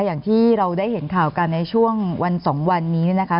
อย่างที่เราได้เห็นข่าวกันในช่วงวัน๒วันนี้นะคะ